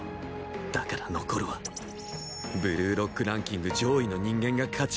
だから残るはブルーロックランキング上位の人間が勝ち上がる